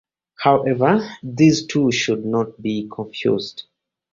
However, these two should not be confused.